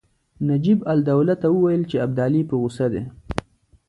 نجیب الدوله ته وویل چې ابدالي په غوسه دی.